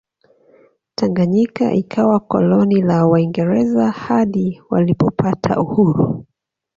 tanganyika ikawa koloni la waingereza hadi walipopata uhuru